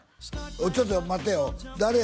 ちょっと待てよ誰や？